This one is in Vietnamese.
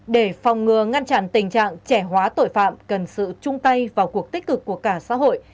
để phòng ngừa ngăn chặn tình trạng trẻ hóa tội phạm cần sự chung tay vào cuộc tích cực của cả xã hội